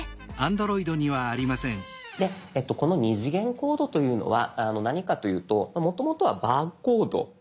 でこの２次元コードというのは何かというともともとはバーコード。